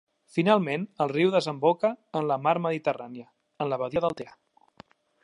Finalment, el riu desemboca en la mar Mediterrània, en la Badia d'Altea.